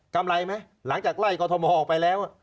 ำไรไหมหลังจากไล่กอทมออกไปแล้ว